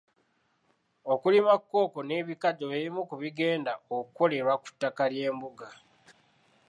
Okulima kkooko n’ebikajjo bye bimu ku bigenda okukolerwa ku ttaka ly'embuga.